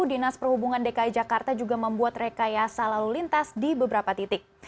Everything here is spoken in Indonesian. dinas perhubungan dki jakarta juga membuat rekayasa lalu lintas di beberapa titik